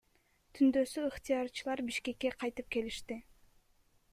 Түндөсү ыктыярчылар Бишкекке кайтып келишти.